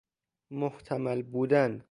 محتمل بودن